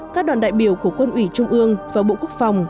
các đoàn đại biểu của quân ủy trung ương và bộ quốc phòng